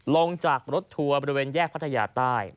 ลงจากรถทัวร์บริเวณแยกพัทยาใต้